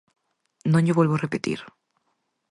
Non llo volvo repetir.